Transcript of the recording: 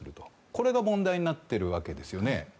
これが問題になっているわけですね。